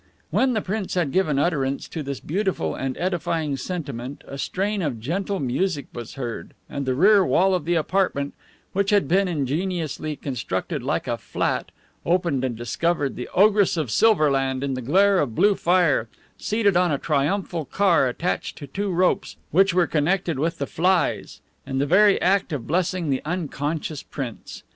When the prince had given utterance to this beautiful and edifying sentiment, a strain of gentle music was heard, and the rear wall of the apartment, which had been ingeniously constructed like a flat, opened and discovered the Ogress of SILVER LAND in the glare of blue fire, seated on a triumphal car attached to two ropes which were connected with the flies, in the very act of blessing the unconscious prince.